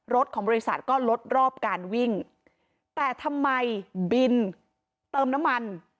รถของบริษัทก็ลดรอบการวิ่งแต่ทำไมบินเติมน้ำมัน